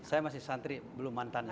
saya masih santri belum mantan